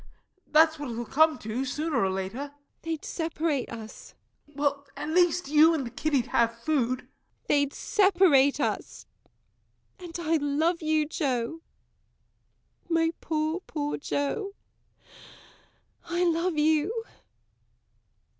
That's what it will come to, sooner or later. MARY. They'd separate us. JOE. At least you and the kiddie'd have food. MARY. They'd separate us. And I love you, Joe. My poor, poor Joe! I love you.